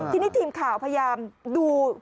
ทีนี้ทีมข่าวพยายามดู